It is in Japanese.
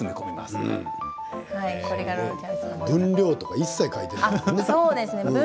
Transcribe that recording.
分量とか一切書いていないのね。